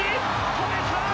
止めた！